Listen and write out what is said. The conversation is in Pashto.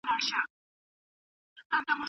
آيا موږ یو باثباته دولت جوړولای سو؟